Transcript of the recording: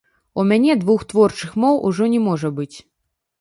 У мяне двух творчых моў ужо не можа быць.